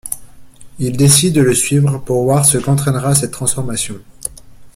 Il décide de le suivre pour voir ce qu'entraînera cette transformation.